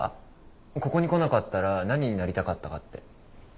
ここに来なかったら何になりたかったかって。